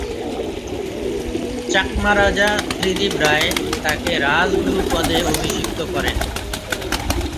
চাকমা রাজা ত্রিদিব রায় তাকে রাজগুরু পদে অভিষিক্ত করেন।